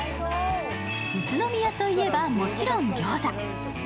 宇都宮といえばもちろん餃子。